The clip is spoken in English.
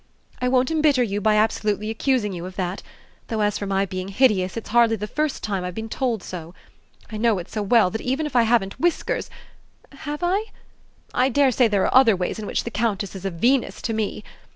"I won't embitter you by absolutely accusing you of that; though, as for my being hideous, it's hardly the first time I've been told so! I know it so well that even if I haven't whiskers have I? I dare say there are other ways in which the Countess is a Venus to me!